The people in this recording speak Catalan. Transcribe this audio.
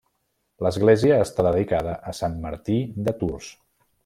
L'església està dedicada a Sant Martí de Tours.